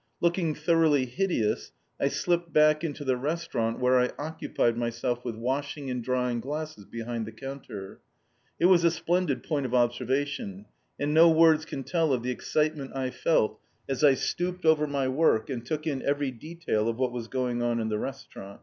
Looking thoroughly hideous I slipped back into the restaurant where I occupied myself with washing and drying glasses behind the counter. It was a splendid point of observation, and no words can tell of the excitement I felt as I stooped over my work and took in every detail of what was going on in the restaurant.